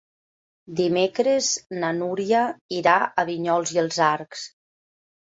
Dimecres na Núria irà a Vinyols i els Arcs.